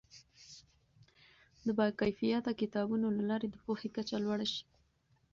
د باکیفیته کتابونو له لارې د پوهې کچه لوړه شي.